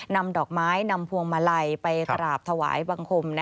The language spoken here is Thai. นำดอกไม้นำพวงมาลัยไปกราบถวายบังคม